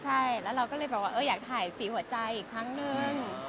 ใช่แล้วเราก็เลยบอกว่าอยากถ่ายสีหัวใจอีกครั้งนึง